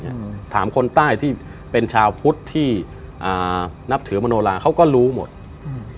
อืมถามคนใต้ที่เป็นชาวพุทธที่อ่านับถือมโนลาเขาก็รู้หมดอืม